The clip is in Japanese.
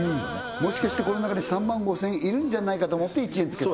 もしかしてこの中に３万５０００円いるんじゃないかと思って１円つけた？